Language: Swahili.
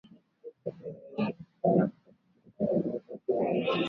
kutokana na kwa kukutwa na hatia ya kusafirisha dawa za kulevya